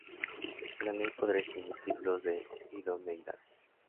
La ley podrá exigir títulos de idoneidad.